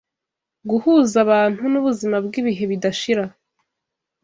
guhuza abantu n’ubuzima bw’ibihe bidashira.